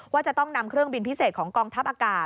ว่าจะต้องนำเครื่องบินพิเศษของกองทัพอากาศ